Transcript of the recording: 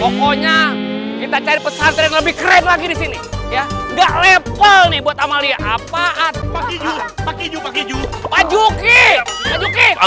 pokoknya kita cari pesantren lebih keren lagi di sini ya enggak level nih buat amalia apaan